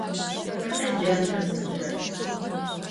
Xeta caner zıdırer?